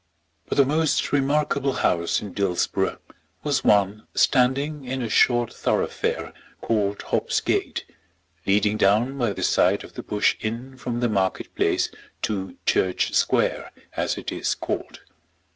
But the most remarkable house in Dillsborough was one standing in a short thoroughfare called Hobbs Gate, leading down by the side of the Bush Inn from the market place to Church Square, as it is called.